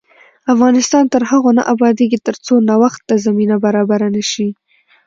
افغانستان تر هغو نه ابادیږي، ترڅو نوښت ته زمینه برابره نشي.